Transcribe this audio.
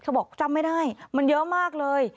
บอกจำไม่ได้มันเยอะมากเลย